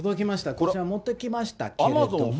こちら持ってきましたけれども。